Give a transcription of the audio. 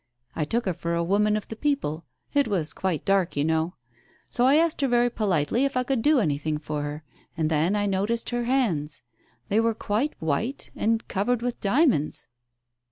I took her for a woman of the people — it was quite dark, you know. So I asked her very politely if I could do anything for her, and then I noticed her hands — they were quite white and covered with diamonds."